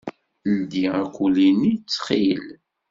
Ldi akuli-nni, ttxil.